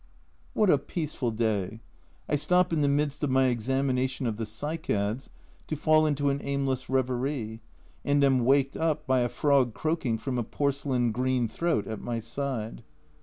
What a peaceful day ! I stop in the midst of my examination of the cycads to fall into an aimless reverie, and am waked up by a frog croaking from a porcelain green throat at my side.